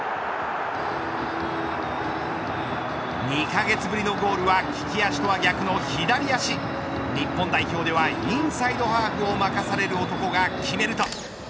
２カ月ぶりのゴールは利き足とは逆の左足日本代表ではインサイドハーフを任される男が決めると。